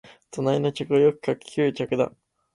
隣の客はよく柿喰う客だ